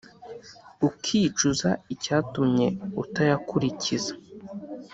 ukicuza icyatumye utayakurikiza